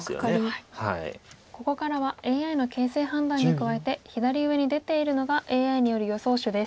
ここからはＡＩの形勢判断に加えて左上に出ているのがＡＩによる予想手です。